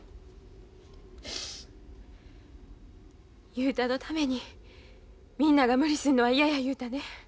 雄太のためにみんなが無理すんのは嫌や言うたね。